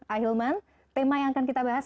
ahilman tema yang akan kita bahas